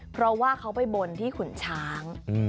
เพราะว่าเขาไปบนที่ขุนช้าง